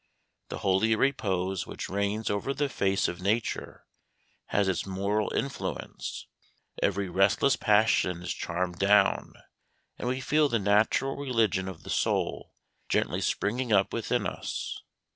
The holy repose which reigns over the face of nature has its moral influence; every restless passion is charmed down, and we feel the natural religion of the soul gently springing up within us.